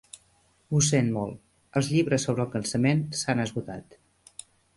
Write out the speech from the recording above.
Ho sent molt, els llibres sobre el cansament s'han esgotat.